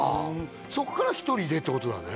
そこから１人でってことだね